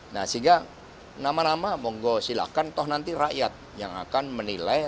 nah sehingga nama nama monggo silahkan toh nanti rakyat yang akan menilai